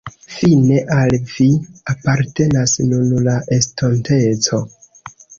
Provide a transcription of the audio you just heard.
Fine al vi apartenas nun la estonteco.